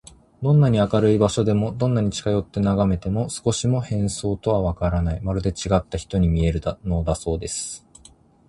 どんなに明るい場所で、どんなに近よってながめても、少しも変装とはわからない、まるでちがった人に見えるのだそうです。